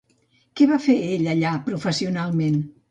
Què va fer ell allà professionalment?